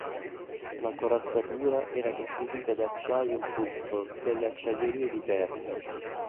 La corazzatura era costituita da acciaio Krupp delle acciaierie di Terni.